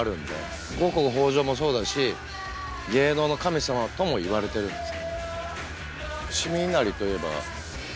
五穀豊穣もそうだし芸能の神様ともいわれてるんです。